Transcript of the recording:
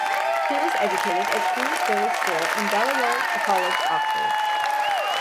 He was educated at Shrewsbury School and Balliol College, Oxford.